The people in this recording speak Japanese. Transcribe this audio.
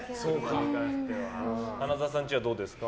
花澤さんちはどうですか？